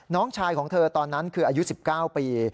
น้องชายของเธอตอนนั้นคืออายุ๑๙ปี